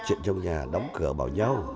chuyện trong nhà đóng cửa bảo nhau